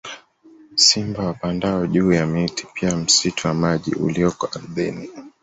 Simba wapandao juu ya miti pia msitu wa maji ulioko ardhini